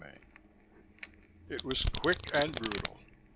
XVI It was quick and brutal.